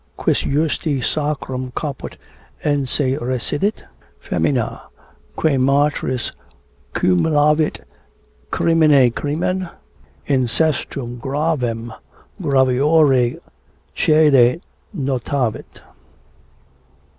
Quis justi sacrum caput ense recidit? Femina, quae matris cumulavit crimine crimen, Incestum gravem graviori caede notavit....